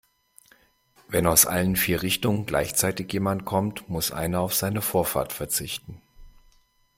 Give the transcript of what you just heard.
Wenn aus allen vier Richtungen gleichzeitig jemand kommt, muss einer auf seine Vorfahrt verzichten.